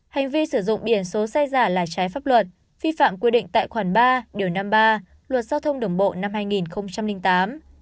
hành vi sử dụng biển số xe giả là trái pháp luật vi phạm quy định tại khoản ba điều năm mươi ba luật giao thông đường bộ năm hai nghìn tám